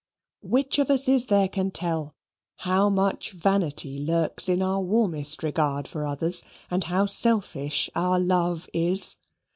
Which of us is there can tell how much vanity lurks in our warmest regard for others, and how selfish our love is?